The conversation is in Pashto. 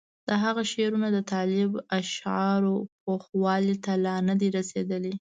د هغه شعرونه د طالب اشعارو پوخوالي ته لا نه دي رسېدلي.